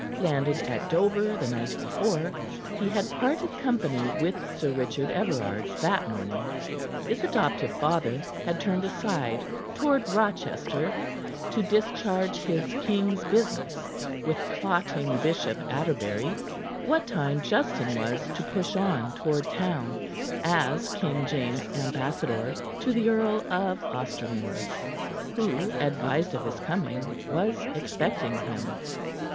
Landed at Dover the night before, he had parted company with Sir Richard Everard that morning. His adoptive father had turned aside toward Rochester, to discharge his king's business with plotting Bishop Atterbury, what time Justin was to push on toward town as King James' ambassador to the Earl of Ostermore, who, advised of his coming, was expecting him.